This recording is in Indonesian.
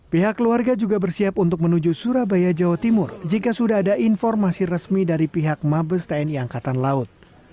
pihak keluarga juga bersiap untuk menuju surabaya jawa timur jika sudah ada informasi resmi dari pihak mabes tni angkatan laut